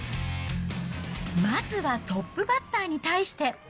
まずはトップバッターに対して。